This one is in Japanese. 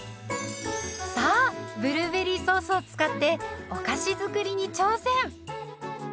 さあブルーベリーソースを使ってお菓子作りに挑戦。